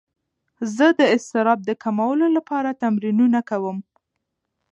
زه د اضطراب د کمولو لپاره تمرینونه کوم.